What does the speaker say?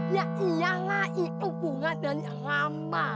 ya iya lah itu bunga dan lama